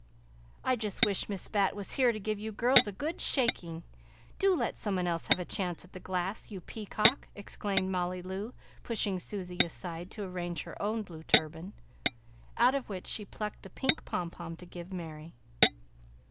"I just wish Miss Bat was here to give you girls a good shaking. Do let someone else have a chance at the glass, you peacock!" exclaimed Molly Loo, pushing Susy aside to arrange her own blue turban, out of which she plucked the pink pompon to give Merry.